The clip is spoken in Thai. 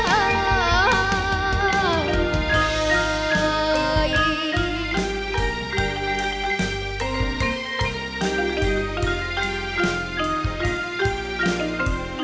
ขอบคุณครับทุกคน